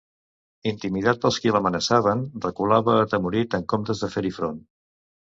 Intimidat pels qui l'amenaçaven, reculava atemorit en comptes de fer-hi front.